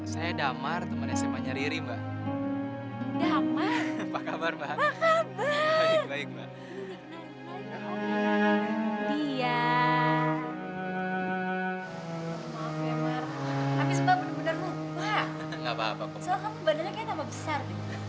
soalnya kamu badannya kayaknya tambah besar